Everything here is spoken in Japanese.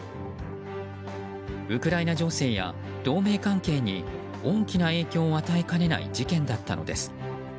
ウクライナ情勢や同盟関係に大きな影響を与えかねない事件だったのです。